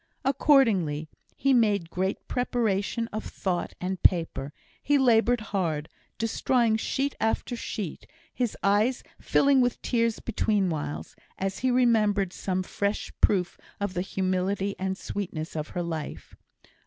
Accordingly, he made great preparation of thought and paper; he laboured hard, destroying sheet after sheet his eyes filling with tears between whiles, as he remembered some fresh proof of the humility and sweetness of her life.